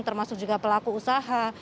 termasuk juga pelaku usaha